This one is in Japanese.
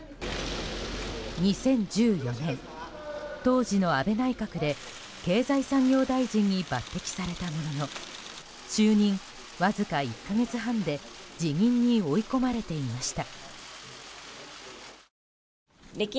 ２０１４年、当時の安倍内閣で経済産業大臣に抜擢されたものの就任わずか１か月半で辞任に追い込まれていました。